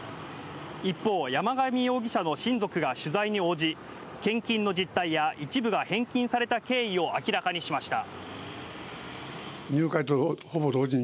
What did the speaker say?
一方、山上容疑者の親族が取材に応じ、献金の実態や、一部が返金された経緯を明らかにしました。